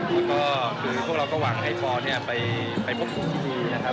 แล้วก็คือพวกเราก็หวังให้พ่อไปพบภูมิดีนะครับ